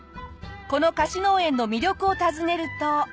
この貸し農園の魅力を尋ねると。